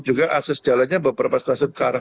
juga ases jalannya beberapa stasiun